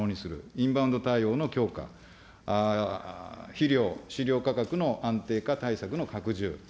インバウンド対応の強化、肥料、飼料価格の安定化対策の拡充。